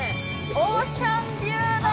オーシャンビューだ！